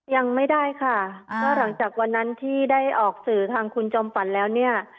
ยังไม่ได้ค่ะก็หลังจากวันนั้นที่ได้ออกสื่อทางคุณจอมฝันแล้วเนี่ย